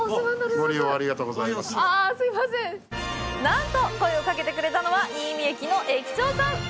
なんと、声をかけてくれたのは新見駅の駅長さん！